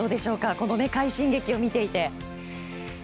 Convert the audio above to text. この快進撃を見ていて。